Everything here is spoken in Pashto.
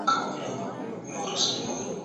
زه به سبا قلم استعمالوم کړم